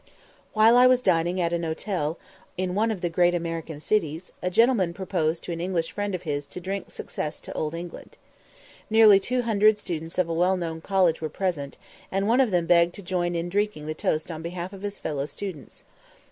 While I was dining at an hotel in one of the great American cities a gentleman proposed to an English friend of his to drink "Success to Old England." Nearly two hundred students of a well known college were present, and one of them begged to join in drinking the toast on behalf of his fellow students.